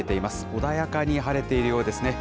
穏やかに晴れているようですね。